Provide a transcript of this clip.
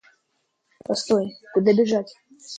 Постой, куда бежать?